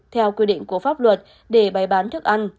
theo quy định của pháp luật để bày bán thức ăn